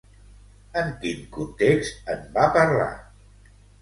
En quin context en va parlar?